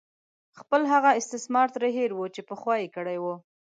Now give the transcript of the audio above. خپل هغه استثمار ترې هېر وو چې پخوا یې کړې وه.